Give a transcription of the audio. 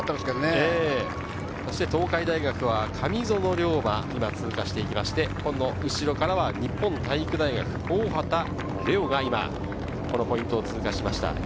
東海大学は神薗竜馬、今通過していって、その後ろからは日本体育大学・大畑怜士がこのポイントを通過しました。